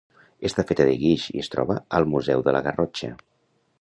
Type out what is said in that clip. Està feta de guix i es troba al Museu de la Garrotxa.